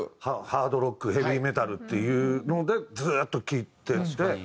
ハードロックヘビーメタルっていうのでずっと聴いていって。